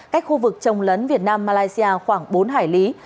cách khu vực trồng lấn việt nam malaysia khoảng bốn hải lý